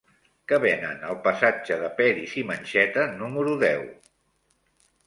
Què venen al passatge de Peris i Mencheta número deu?